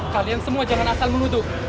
kalian semua jangan asal menuduh